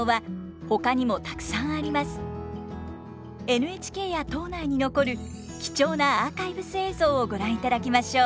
ＮＨＫや島内に残る貴重なアーカイブス映像をご覧いただきましょう。